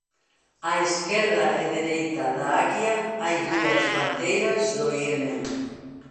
A esquerda e dereita da aguia hai dúas bandeiras do Iemen.